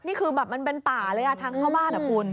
มันเป็นป่าเลยทางเข้าบ้าน